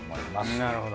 なるほど。